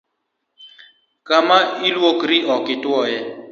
Kama iluokri ok ituoye